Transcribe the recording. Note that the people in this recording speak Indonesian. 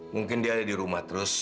mungkin dia ada di rumah terus